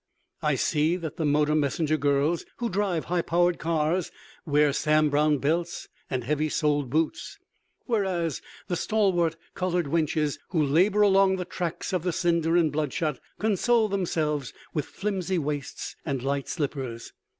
I see that the motor messenger girls who drive high powered cars wear Sam Browne belts and heavy soled boots, whereas the stalwart colored wenches who labor along the tracks of the Cinder and Bloodshot console themselves with flimsy waists and light slippers.